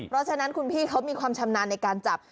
เพราะฉะนั้นคุณพี่เขามีความชำนาญในการจับ